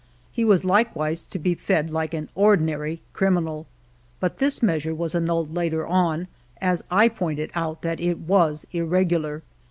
He was likewise to be fed like an ordinary criminal ; but this measure was annulled later on, as I pointed out that it was irregular.